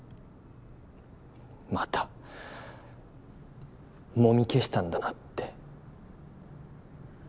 またもみ消したんだなって。